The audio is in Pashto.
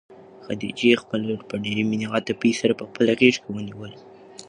خدیجې خپله لور په ډېرې مینې او عاطفې په خپله غېږ کې ونیوله.